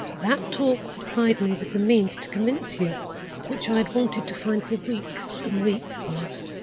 That talk supplied me with the means to convince you which I had wanted to find for weeks and weeks past.